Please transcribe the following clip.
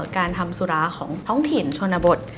การทำสุราของท้องถิ่นชนบท